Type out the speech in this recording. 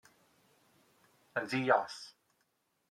Yn ddi-os!